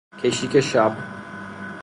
کشیک شب